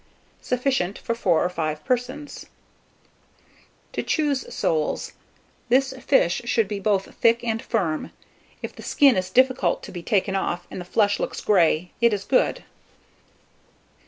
Sufficient for 4 or 5 persons. TO CHOOSE SOLES. This fish should be both thick and firm. If the skin is difficult to be taken off, and the flesh looks grey, it is good.